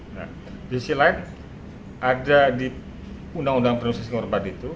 nah di sisi lain ada di undang undang proses norban itu